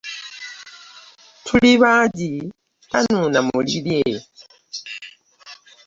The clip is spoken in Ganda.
Tuli bangi tanuuna mu lirye .